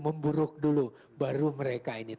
memburuk dulu baru mereka ini